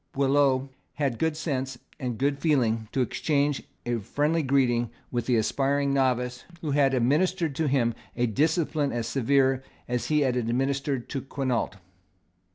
Boileau had the good sense and good feeling to exchange a friendly greeting with the aspiring novice who had administered to him a discipline as severe as he had administered to Quinault.